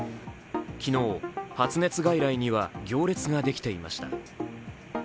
昨日発熱外来には行列ができていました。